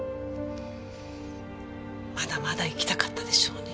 まだまだ生きたかったでしょうに。